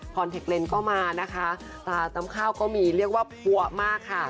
เทคเลนส์ก็มานะคะตาตำข้าวก็มีเรียกว่าปัวมากค่ะ